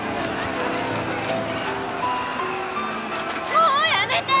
もうやめて！